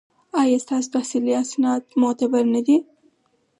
ایا ستاسو تحصیلي اسناد معتبر نه دي؟